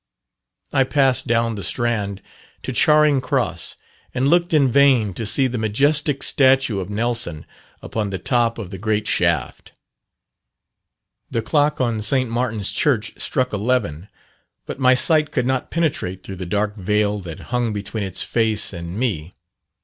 I passed down the Strand to Charing Cross, and looked in vain to see the majestic statue of Nelson upon the top of the great shaft. The clock on St. Martin's Church struck eleven, but my sight could not penetrate through the dark veil that hung between its face and me.